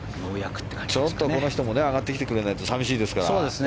ちょっとこの人も上がってきてくれないと寂しいですから。